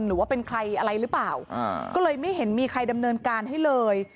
หรือว่าเป็นใครอะไรหรือเปล่าก็เลยไม่เห็นมีใครดำเนินการให้เลย